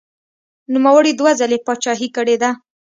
نوموړي دوه ځلې پاچاهي کړې ده.